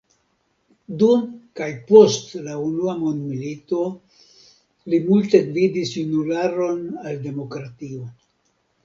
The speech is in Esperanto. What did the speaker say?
Dum kaj post la unua mondmilito li multe gvidis junularon al demokratio.